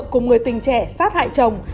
cùng người tình trẻ sát hại chồng